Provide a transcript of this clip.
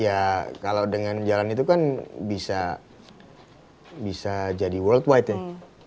ya kalau dengan jalan itu kan bisa jadi world wide ya